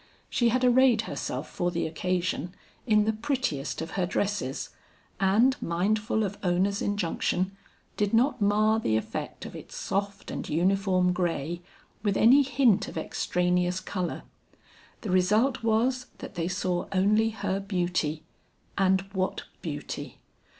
She had arrayed herself for the occasion, in the prettiest of her dresses, and mindful of Ona's injunction, did not mar the effect of its soft and uniform gray with any hint of extraneous color. The result was that they saw only her beauty; and what beauty!